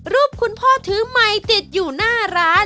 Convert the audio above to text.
รูปคุณพ่อทืมัยติดอยู่หน้าร้าน